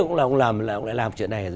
cũng làm chuyện này